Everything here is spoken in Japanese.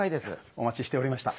お待ちしておりました。